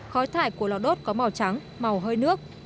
khói thải của lò đốt có màu trắng màu hơi nước